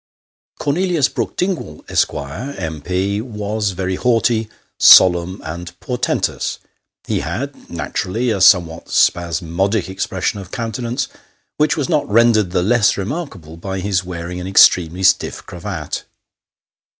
Cornelius Brook Dingwall, Esq., M.P., was very haughty, solemn, 244 Sketches by Boz. and portentous. He Lad, naturally, a somewhat spasmodic expression of countenance, which was not rendered the less remarkable by his wearing an extremely stiff cravat.